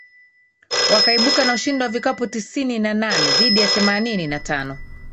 wakaibuka na ushindi wa vikapu tisini na nane dhidi ya themanini na tano